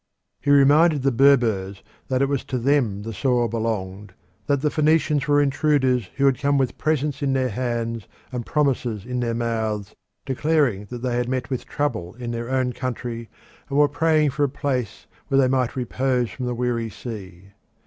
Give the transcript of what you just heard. He reminded the Berbers that it was to them the soil belonged, that the Phoenicians were intruders who had come with presents in their hands and with promises in their mouths, declaring that they had met with trouble in their own country, and praying for a place where they might repose from the weary sea.